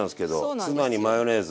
ツナにマヨネーズ。